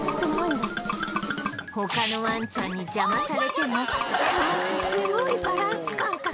他のワンちゃんに邪魔されても保つすごいバランス感覚